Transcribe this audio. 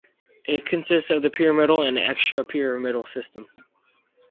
It consists of the pyramidal and extrapyramidal system.